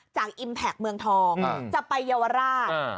จากอิมแพคเมืองทองจะไปยาวาร่า